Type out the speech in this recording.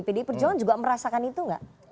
pdi perjuangan juga merasakan itu nggak